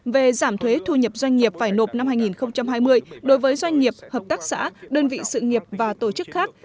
về giảm thuế thu nhập doanh nghiệp phải nộp năm hai nghìn hai mươi đối với doanh nghiệp hợp tác xã đơn vị sự nghiệp và tổ chức khác